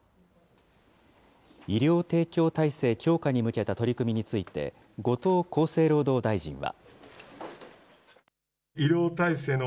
医療提供体制強化に向けた取り組みについて後藤厚生労働大臣は。